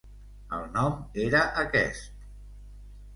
El nom era aquest.